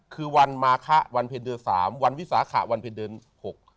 คือวันมาคะวันเพลงเดือนสามวันวิสาขะวันเพลงเดือนหก